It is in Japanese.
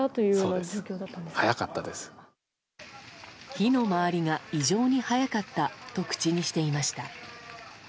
火の回りが異常に早かったと口にしていました。